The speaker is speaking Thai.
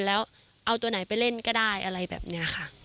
แล้วเอาตัวไหนไปเล่นก็ได้อะไรแบบนี้ค่ะ